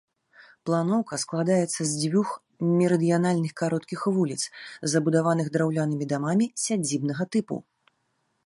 Планоўка складаецца з дзвюх мерыдыянальных кароткіх вуліц, забудаваных драўлянымі дамамі сядзібнага тыпу.